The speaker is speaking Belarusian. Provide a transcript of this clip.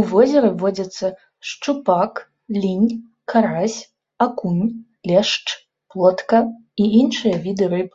У возеры водзяцца шчупак, лінь, карась, акунь, лешч, плотка і іншыя віды рыб.